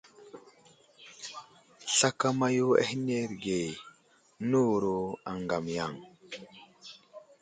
Slakama yo ahənərge nəwuro aŋgam yaŋ.